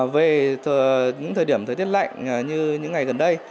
về những thời điểm thời tiết lạnh như những ngày gần đây